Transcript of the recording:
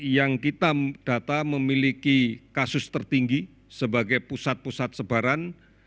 yang kita data memiliki kasus tertinggi sebagai pusat pusat sebaran